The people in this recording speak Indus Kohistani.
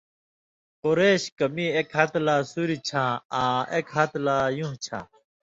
(قریش) کہ میں اېک ہَتہۡ لا سُوریۡ چھاں آں اېک ہتہۡ لا یُوں چھاں،